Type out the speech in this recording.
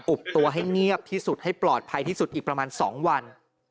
บตัวให้เงียบที่สุดให้ปลอดภัยที่สุดอีกประมาณ๒วัน